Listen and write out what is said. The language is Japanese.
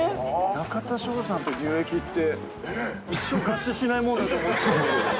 中田翔さんと乳液って、一生合致しないものだと思ってた。